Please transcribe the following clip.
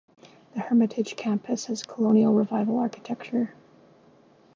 The Hermitage campus has Colonial revival architecture.